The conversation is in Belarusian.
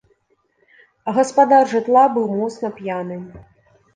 Гаспадар жытла быў моцна п'яны.